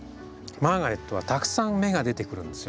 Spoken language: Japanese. マーガレットはたくさん芽が出てくるんですよ。